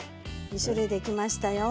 ２種類できましたよ。